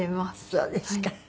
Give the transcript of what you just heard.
そうですか。